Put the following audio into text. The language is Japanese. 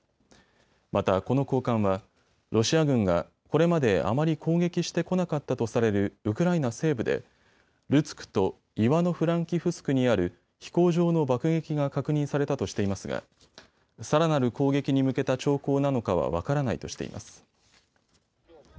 また、この高官はロシア軍がこれまであまり攻撃してこなかったとされるウクライナ西部でルツクとイワノフランキフスクにある飛行場の爆撃が確認されたとしていますがさらなる攻撃に向けた兆候なのかは分からないとしています。